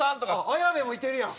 綾部もいてるやん。